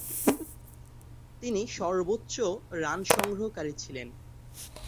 তিনি সর্বোচ্চ রান সংগ্রহকারী ছিলেন।